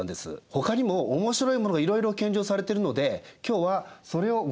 ほかにも面白いものがいろいろ献上されているので今日はそれをご紹介したいと思います。